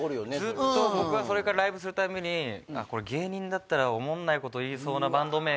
ずっと僕はそれからライブするたびにこれ芸人だったらおもんないこと言いそうなバンド名を。